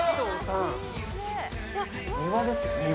庭ですよ庭！